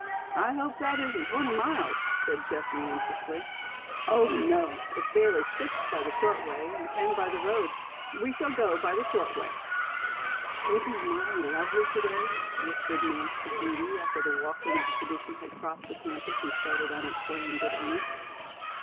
"I hope that isn't twenty miles," said Jessie anxiously. "Oh, no, it's barely six by the short way and ten by the road. We shall go by the short way." "Isn't Molly lovely to day?" whispered Nance to Judy, after the walking expedition had crossed the campus and started on its way in good earnest.